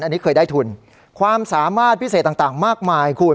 อันนี้เคยได้ทุนความสามารถพิเศษต่างมากมายคุณ